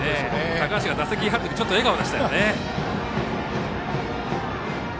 高橋が打席に入る時ちょっと笑顔でしたね。